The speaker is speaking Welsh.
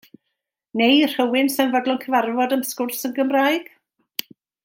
Neu rhywun sa'n fodlon cyfarfod am sgwrs yn Gymraeg?